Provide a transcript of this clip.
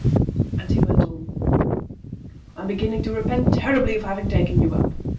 And he went on "I am beginning to repent terribly of having taken you up!